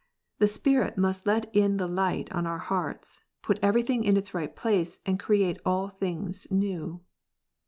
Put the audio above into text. The Spirit must let in the light on our hearts, put everything in its right place, and create all things new.